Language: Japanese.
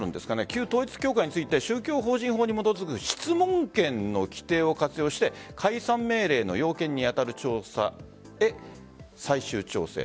旧統一教会について宗教法人法に基づく質問権の規定を活用して解散命令の要件に当たる調査へ最終調整。